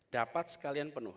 dapat sekalian penuh